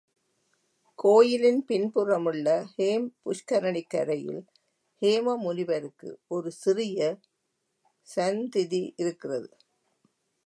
கோயிலின் பின்புறமுள்ள ஹேம் புஷ்கரணிக் கரையில் ஹேம முனிவருக்கு ஒரு சிறிய சந்திதி இருக்கிறது.